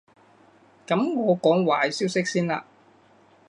噉我講壞消息先啦